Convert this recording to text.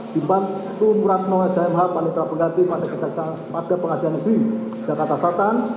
di batu muratno sma panitra pengganti masa kejahatan pada pengajian negeri jakarta selatan